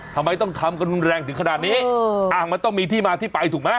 ทำไมต้องทำกันรุนแรงถึงขนาดนี้มันต้องมีที่มาที่ไปถูกไหม